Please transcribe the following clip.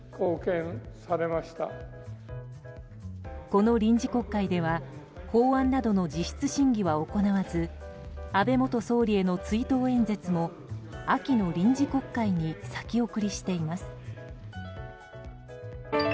この臨時国会では法案などの実質審議は行わず安倍元総理への追悼演説も秋の臨時国会に先送りしています。